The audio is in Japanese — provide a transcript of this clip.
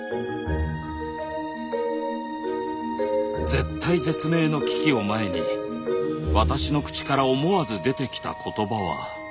絶体絶命の危機を前に私の口から思わず出てきた言葉は。